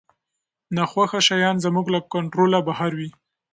ناخوښه شیان زموږ له کنټروله بهر وي.